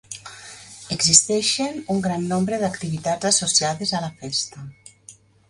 Existeixen un gran nombre d'activitats associades a la festa.